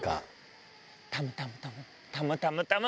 タムタムタムタムタムタム。